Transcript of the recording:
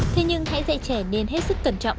thế nhưng hãy dạy trẻ nên hết sức cẩn trọng